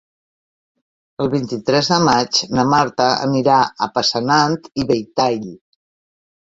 El vint-i-tres de maig na Marta anirà a Passanant i Belltall.